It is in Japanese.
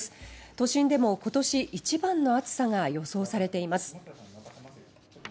都心でも今年一番の暑さが予想されています。